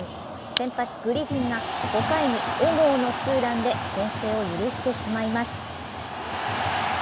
先発・グリフィンが５回に小郷のツーランで先制を許してしまいます。